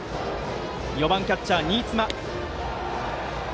打席は４番、キャッチャー新妻。